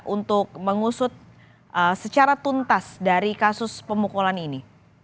untuk mengusut secara tuntas dari kasus pemukulan ini